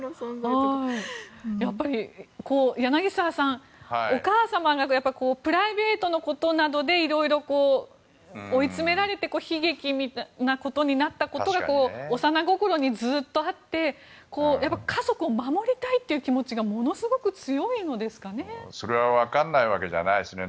やっぱり、柳澤さんお母様がプライベートのことなどでいろいろ追い詰められて悲劇なことになったことが幼心にずっとあって家族を守りたいという気持ちがものすごく強いんですかね？